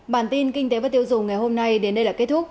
bản tin kinh tế và tiêu dùng ngày hôm nay đến đây là kết thúc